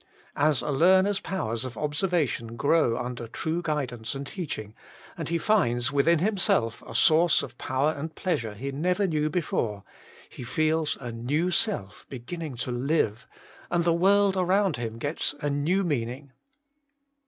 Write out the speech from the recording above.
As a learner's powers of observa tion grow under true guidance and teach ing, and he finds within himself a source of power and pleasure he never knew before, he feels a new self beginning to live, and the world around him gets a new meaning.